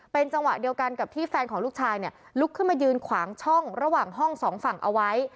เป็นจังหวะเดียวกันกับที่แฟนของลูกชายเนี่ยลุกขึ้นมายืนขวางช่องระหว่างห้องสองฝั่งเอาไว้